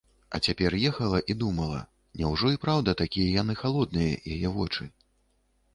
А цяпер ехала і думала: няўжо і праўда - такія яны халодныя, яе вочы?